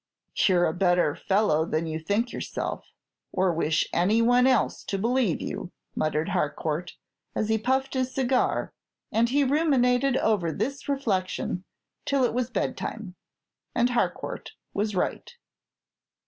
"You're a better fellow than you think yourself, or wish any one else to believe you," muttered Harcourt, as he puffed his cigar; and he ruminated over this reflection till it was bedtime. And Harcourt was right.